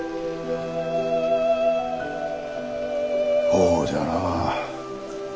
ほうじゃな。